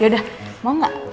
yaudah mau gak